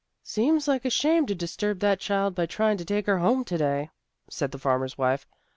" Seems like a shame to disturb that child by trying to take her home to day," said the farmer's wife.